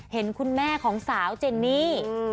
เห็นคุณแม่ของสาวเจนนี่